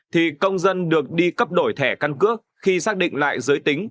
thì công dân được đi cấp đổi thẻ căn cước khi xác định lại giới tính